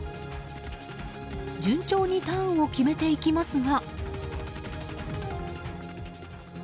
順調にターンを決めていきますが。